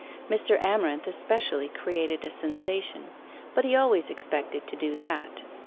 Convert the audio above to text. Mr. Amarinth especially created a sensation; but he always expected to do that.